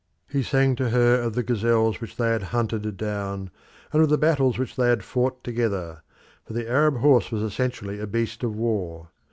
He sang to her of the gazelles which they had hunted down, and of the battles which they had fought together for the Arab horse was essentially a beast of war.